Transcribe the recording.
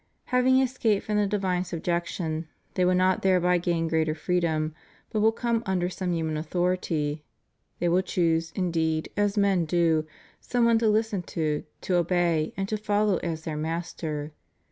Having escaped from the divine subjection, they will not thereby gain greater freedom; but will come under some human authority; they will choose, indeed, as men do, some one to listen to, to obey, and to follow as their master.